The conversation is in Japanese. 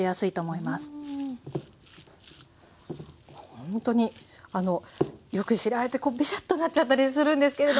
ほんとにあのよく白あえってこうベシャッとなっちゃったりするんですけれども。